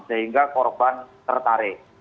sehingga korban tertarik